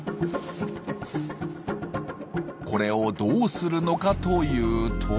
これをどうするのかというと。